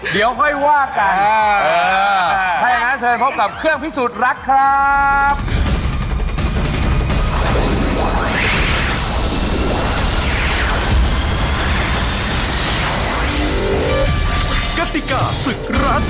เดี๋ยวค่อยว่ากัน